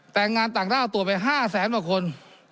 แต่งานด่างราวตัวไป๕แสนประคน